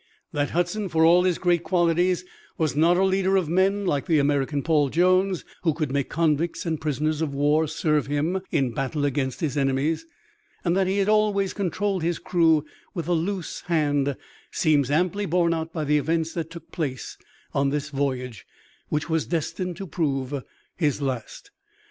That Hudson, for all his great qualities, was not a leader of men like the American Paul Jones, who could make convicts and prisoners of war serve him in battle against his enemies; and that he had always controlled his crew with a loose hand seems amply borne out by the events that took place on this voyage, which was destined to prove his last.